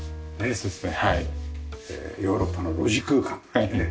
そうですね。